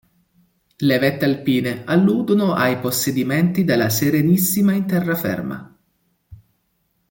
Le vette alpine alludono ai possedimenti della Serenissima in terraferma.